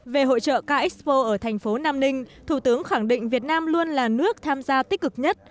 về hội trợ k expo ở thành phố nam ninh thủ tướng khẳng định việt nam luôn là nước tham gia tích cực nhất